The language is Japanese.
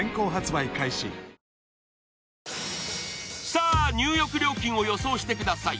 さあ、入浴料金を予想してください。